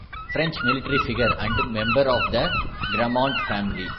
French military figure and member of the Gramont family.